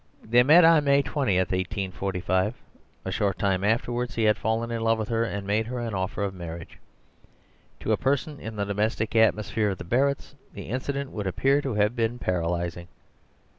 They met on May 20, 1845. A short time afterwards he had fallen in love with her and made her an offer of marriage. To a person in the domestic atmosphere of the Barretts, the incident would appear to have been paralysing.